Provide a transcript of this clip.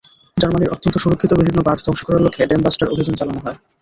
জার্মানির অত্যন্ত সুরক্ষিত বিভিন্ন বাঁধ ধ্বংস করার লক্ষ্যে ড্যামবাস্টার অভিযান চালানো হয়।